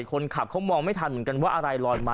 คนขับเขามองไม่ทันเหมือนกันว่าอะไรลอยมา